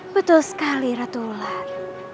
betul sekali ratu ular